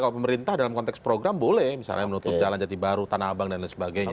kalau pemerintah dalam konteks program boleh misalnya menutup jalan jati baru tanah abang dan lain sebagainya